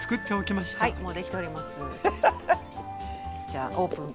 じゃあオープン。